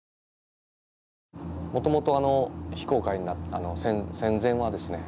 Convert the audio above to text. もともと非公開戦前はですね